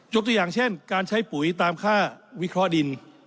ตัวอย่างเช่นการใช้ปุ๋ยตามค่าวิเคราะห์ดิน